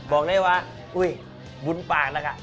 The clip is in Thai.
บอกได้ว่าอุ๊ยบุญปากละกะ